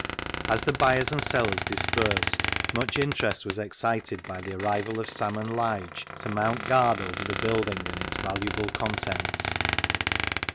As the buyers and sellers dispersed, much interest was excited by the arrival of Sam and Lige to mount guard over the building and its valuable contents.